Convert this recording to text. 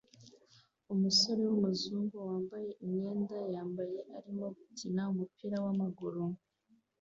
Umusore wumuzungu wambaye imyenda yambaye arimo gukina umupira wamaguru